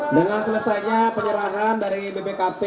dengan selesainya penyerahan dari bpkp